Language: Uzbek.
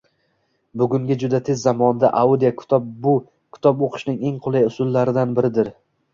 Bugungi juda tez zamonda audiokitob bu kitob oʻqishning eng qulay usullaridan biridir.